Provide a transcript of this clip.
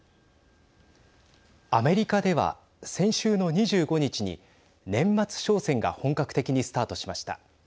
アメリカでは先週の２５日に年末商戦が本格的にスタートしました。